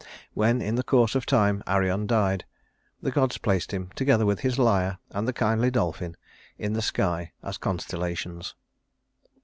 When in the course of time Arion died, the gods placed him, together with his lyre and the kindly dolphin, in the sky as constellations.